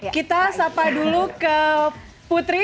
kita sapa dulu ke putri